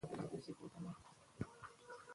څه شی د جګړې برخلیک ته بدلون ورکړ؟